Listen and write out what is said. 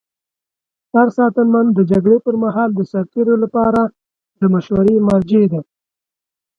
سرساتنمن د جګړې پر مهال د سرتیرو لپاره د مشورې مرجع دی.